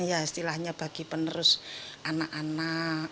ya istilahnya bagi penerus anak anak